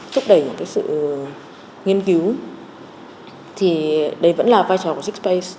thúc đẩy những cái sự nghiên cứu thì đấy vẫn là vai trò của six space